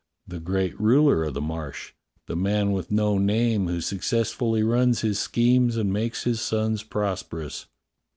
"The great ruler o' the Marsh — the man with no name who successfully runs his schemes and makes his sons prosperous."